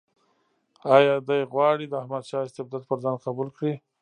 آیا دی غواړي د احمدشاه استبداد پر ځان قبول کړي.